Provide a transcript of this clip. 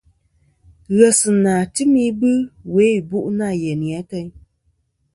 Ghesɨnà tɨm ibɨ we ìbu' nâ yeyni ateyn.